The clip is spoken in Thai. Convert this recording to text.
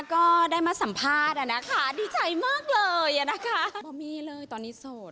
ก็ได้มาสัมภาษณ์อะนะคะดีใจมากเลยอ่ะนะคะโอ้มีเลยตอนนี้โสด